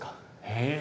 へえ。